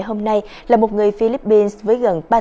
tôi là người philippines nhưng mà